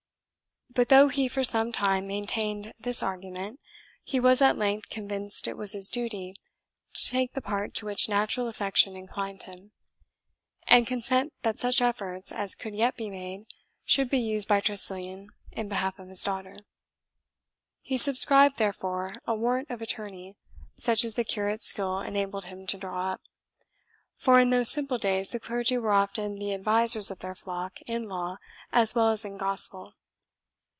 But though he for some time maintained this argument, he was at length convinced it was his duty to take the part to which natural affection inclined him, and consent that such efforts as could yet be made should be used by Tressilian in behalf of his daughter. He subscribed, therefore, a warrant of attorney, such as the curate's skill enabled him to draw up; for in those simple days the clergy were often the advisers of their flock in law as well as in gospel.